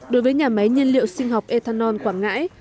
đối với nhà máy nhiên liệu sinh học ethanol quảng ngãi